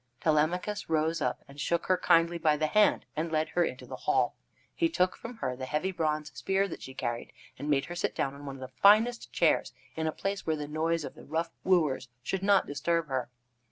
Telemachus rose up and shook her kindly by the hand, and led her into the hall. He took from her the heavy bronze spear that she carried, and made her sit down on one of the finest of the chairs, in a place where the noise of the rough wooers should not disturb her.